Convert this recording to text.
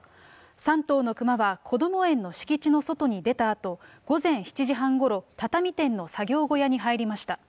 ３頭のクマはこども園の敷地の外に出たあと、午前７時半ごろ、畳店の作業小屋に入りました。